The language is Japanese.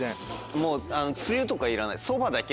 もうつゆとかいらない。